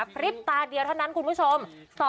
พริบตาเดียวเท่านั้นคุณผู้ชม